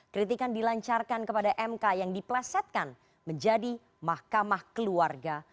kritikan dilancarkan kepada mk yang diplesetkan menjadi mahkamah keluarga